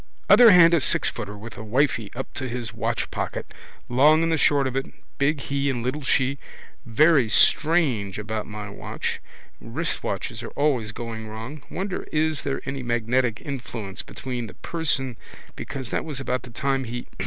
Other hand a sixfooter with a wifey up to his watchpocket. Long and the short of it. Big he and little she. Very strange about my watch. Wristwatches are always going wrong. Wonder is there any magnetic influence between the person because that was about the time he.